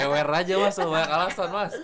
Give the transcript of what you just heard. jewer aja mas banyak alasan mas